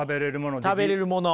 食べれるもの。